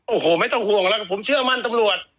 โอ้โหไม่ต้องห่วงแล้วก็ผมเชื่อมั่นตำรวจ